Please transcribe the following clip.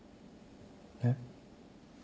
えっ。